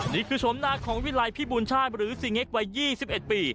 นี่คือชมหน้าของวิลัยพี่บุญชาติหรือสิงเห็กวัยยี่สิบเอ็ดปี